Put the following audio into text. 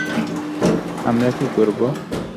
আমরা কী করব?